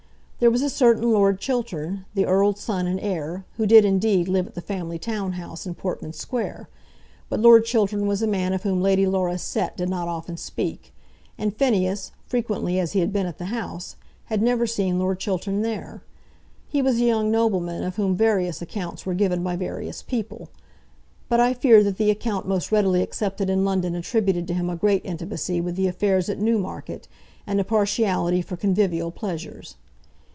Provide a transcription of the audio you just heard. There was a certain Lord Chiltern, the Earl's son and heir, who did indeed live at the family town house in Portman Square; but Lord Chiltern was a man of whom Lady Laura's set did not often speak, and Phineas, frequently as he had been at the house, had never seen Lord Chiltern there. He was a young nobleman of whom various accounts were given by various people; but I fear that the account most readily accepted in London attributed to him a great intimacy with the affairs at Newmarket, and a partiality for convivial pleasures.